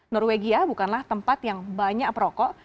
norwegia bukanlah tempat yang banyak perokok